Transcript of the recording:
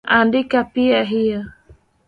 Andika pia hiyo.